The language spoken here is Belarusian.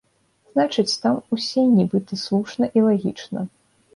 Значыць, там усе нібыта слушна і лагічна.